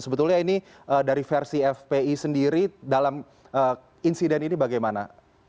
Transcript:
sebetulnya ini dari versi fpi sendiri dalam insiden ini bagaimana